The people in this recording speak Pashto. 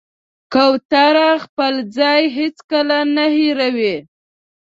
کوتره خپل ځای هېڅکله نه هېروي.